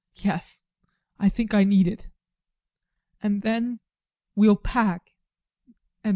ADOLPH. Yes, I think I need it. And then we'll pack and leave.